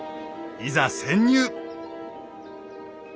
いざ潜入！